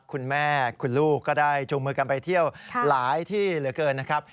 คุณแม่คุณลูกก็ได้จูงมือกันไปเที่ยวหลายที่เหลือเกินนะครับ